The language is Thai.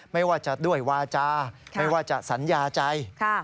ไม่ว่าจะด้วยวาจาไม่ว่าจะสัญญาใจ